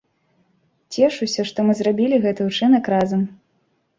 Цешуся, што мы зрабілі гэты ўчынак разам!